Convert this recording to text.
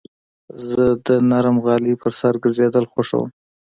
زه د نرم غالۍ پر سر ګرځېدل خوښوم.